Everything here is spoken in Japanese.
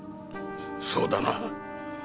そうだな。